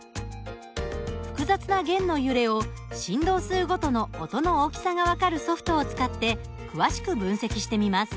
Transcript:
複雑な弦の揺れを振動数ごとの音の大きさが分かるソフトを使って詳しく分析してみます。